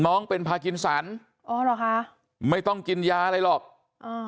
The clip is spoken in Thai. น้องเป็นพากินสันอ๋อเหรอคะไม่ต้องกินยาอะไรหรอกอ่า